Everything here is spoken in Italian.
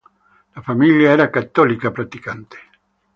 La famiglia era cattolica praticante.